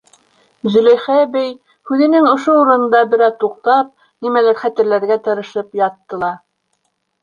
Зөләйха әбей, һүҙенең ошо урынында бер аҙ туҡтап, нимәлер хәтерләргә тырышып ятты ла: